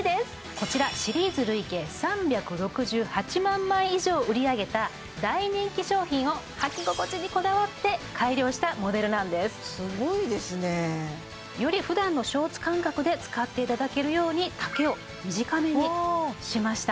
こちらシリーズ累計３６８万枚以上売り上げた大人気商品をはき心地にこだわって改良したモデルなんですすごいですねよりふだんのショーツ感覚で使っていただけるように丈を短めにしました